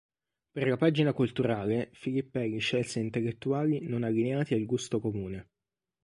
Per la pagina culturale, Filippelli scelse intellettuali non allineati al gusto comune.